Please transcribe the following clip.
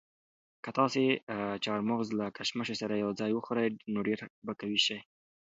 که تاسي چهارمغز له کشمشو سره یو ځای وخورئ نو ډېر به قوي شئ.